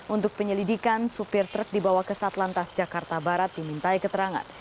untuk penyelidikan supir truk dibawa ke satlantas jakarta barat dimintai keterangan